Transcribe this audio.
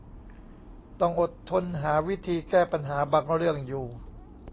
ต้องอดทนหาวิธีแก้ปัญหาบางเรื่องอยู่